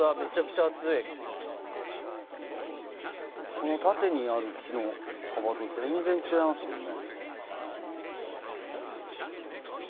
この縦にある木の幅と全然違いますもんね。